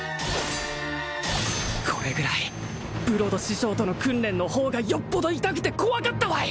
これぐらいブロド師匠との訓練の方がよっぽど痛くて怖かったわい！